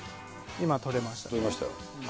今、撮れましたね。